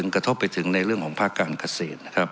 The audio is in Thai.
กระทบไปถึงในเรื่องของภาคการเกษตรนะครับ